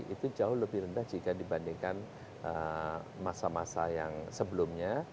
itu jauh lebih rendah jika dibandingkan masa masa yang sebelumnya